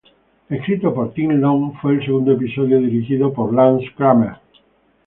Escrito por Tim Long, fue el segundo episodio dirigido por Lance Kramer.